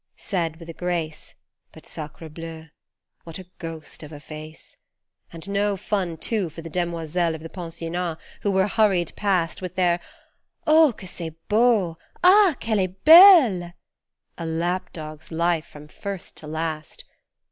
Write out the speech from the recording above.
Said with a grace, But sacrebleu ! what a ghost of a face ! And no fun too for the demoiselles Of the pensionnat, who were hurried past, With their " Oh, que c'est beau Ah, qu'elle est belle !" A lap dog's life from first to last